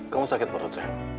kamu sakit perut ya